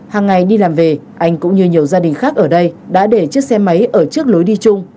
hàng ngày đi làm về anh cũng như nhiều gia đình khác ở đây đã để chiếc xe máy ở trước lối đi chung